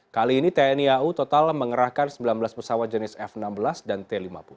kali ini tni au total mengerahkan sembilan belas pesawat jenis f enam belas dan t lima puluh